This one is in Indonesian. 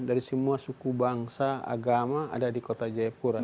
dari semua suku bangsa agama ada di kota jayapura